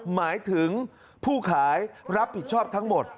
หมายถึงผู้ขายรับผิดชอบทั้งหมด